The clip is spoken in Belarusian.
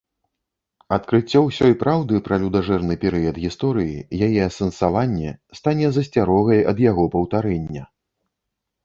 Адкрыццё ўсёй праўды пра людажэрны перыяд гісторыі, яе асэнсаванне стане засцярогай ад яго паўтарэння.